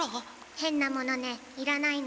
へんなものねいらないの？